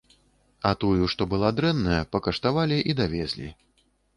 А тую, што была дрэнная, пакаштавалі і давезлі.